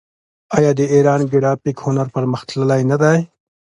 آیا د ایران ګرافیک هنر پرمختللی نه دی؟